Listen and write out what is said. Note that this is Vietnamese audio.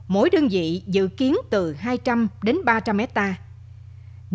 mỗi đơn vị dự kiến từ hai trăm linh đến ba trăm linh hectare